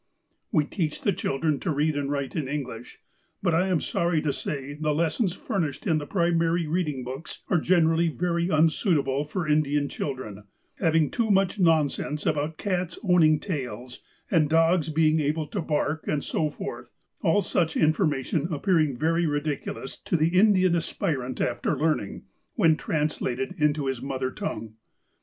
" We teach the children to read and write in English, but I am sorry to say the lessons furnished in the primary reading books are generally very unsuitable for Indian children, having too much nonsense about cats owning tails, and dogs being able to bark, and so forth ; all such information appearing very ridiculous to the Indian aspirant after learning, when translated into his mother tongue.